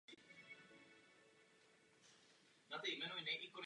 Na řadě summitů, kterých jsem se zúčastnila, byly pokaždé zmiňovány.